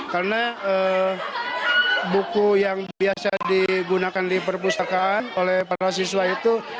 karena buku yang biasa digunakan di perpustakaan oleh para siswa itu